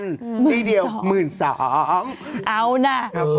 ๑๒๐๐๐บาทซี่เดียว๑๒๐๐๐บาทเอานะ